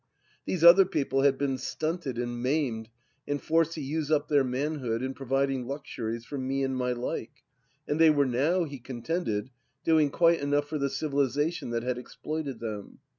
These other people had been stunted and maimed and forced to use up their manhood in pro viding luxuries for me and my like, and they were now, he contended, doing quite enough for the civilization that had exploited them.